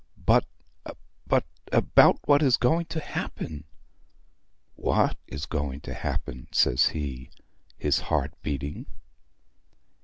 "But but about what is going to happen?" "What is going to happen?" says he, his heart beating.